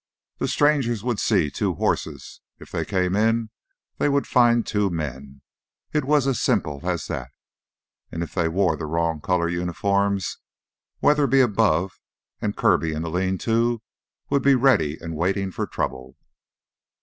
The strangers would see two horses. If they came in, they would find two men it was as simple as that. And if they wore the wrong color uniforms, Weatherby above, and Kirby in the lean to, would be ready and waiting for trouble.